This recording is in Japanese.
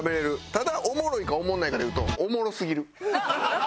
ただおもろいかおもろないかで言うと「おもろすぎる」！